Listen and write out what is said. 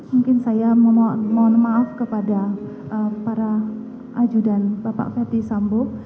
mungkin saya mohon maaf kepada para ajudan bapak ferdi sambo